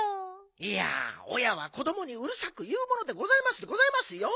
いやおやは子どもにうるさくいうものでございますでございますよ。